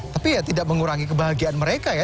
tapi ya tidak mengurangi kebahagiaan mereka ya